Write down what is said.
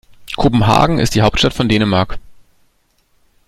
Kopenhagen ist die Hauptstadt von Dänemark.